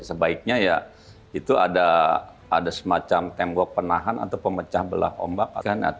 sebaiknya ya itu ada semacam tembok penahan atau pemecah belah ombak